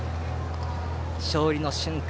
勝利の瞬間